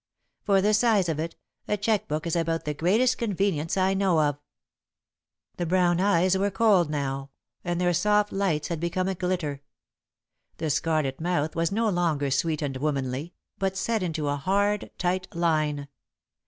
For the size of it, a check book is about the greatest convenience I know of." The brown eyes were cold now, and their soft lights had become a glitter. The scarlet mouth was no longer sweet and womanly, but set into a hard, tight line.